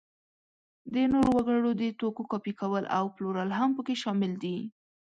د نورو وګړو د توکو کاپي کول او پلورل هم په کې شامل دي.